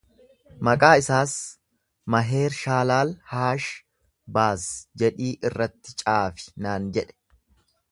Maqaa isaas Maheer-shaalaal-haash-baaz jedhii irratti caafi naan jedhe.